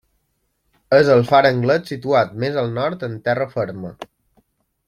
És el far anglès situat més al nord en terra ferma.